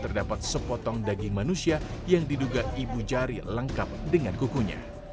terdapat sepotong daging manusia yang diduga ibu jari lengkap dengan kukunya